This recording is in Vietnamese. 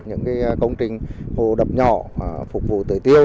tuy nhiên do nhiều công trình được xây dựng từ khá lâu